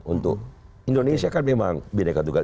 untuk indonesia kan memang bina kandungan